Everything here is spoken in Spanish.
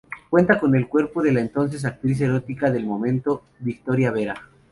Cuenta con el cuerpo de la entonces actriz erótica del momento, Victoria Vera.